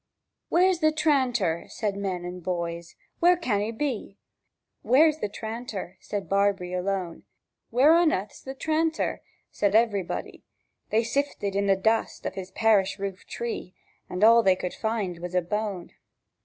"Where's the tranter?" said men and boys; "where can er be?" "Where's the tranter?" said Barbree alone. "Where on e'th is the tranter?" said everybod y: They sifted the dust of his perished roof tree, And all they could find was a bone.